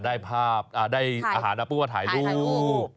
ได้ภาพได้อาหารนะพูดว่าถ่ายรูป